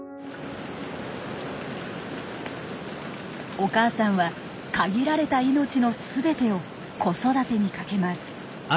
お母さんは限られた命の全てを子育てにかけます。